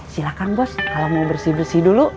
silahkan bos kalau mau bersih bersih dulu